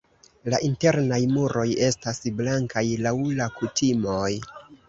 La internaj muroj estas blankaj laŭ la kutimoj.